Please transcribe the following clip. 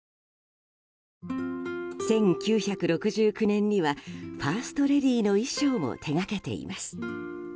１９６９年にはファーストレディーの衣装も手がけています。